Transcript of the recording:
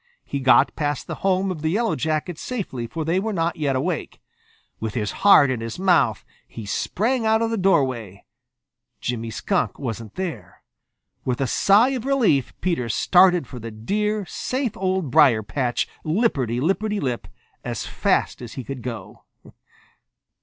He got past the home of the Yellow Jackets safely, for they were not yet awake. With his heart in his mouth, he sprang out of the doorway. Jimmy Skunk wasn't there. With a sigh of relief, Peter started for the dear, safe Old Briar patch, lipperty lipperty lip, as fast as he could go.